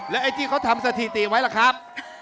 แล้วไอจีเขาทำสถิติไว้หรือครับ